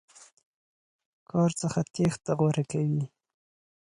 کار څخه تېښته غوره کوي.